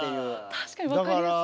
確かに分かりやすい。